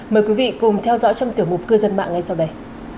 mời quý vị cùng theo dõi trong tiểu mục cư dân mạng ngay sau đây